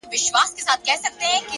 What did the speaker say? نیک چلند د دوستۍ بنسټ جوړوي,